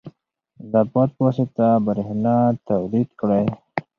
د باد په واسطه برېښنا تولید کړئ.